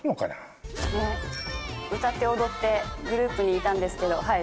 歌って踊ってグループにいたんですけど。